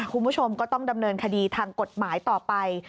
คุณผู้ชมก็ต้องดำเนินคดีทางกฎหมายต่อไป